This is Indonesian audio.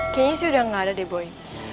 kayaknya sih udah gak ada deh boy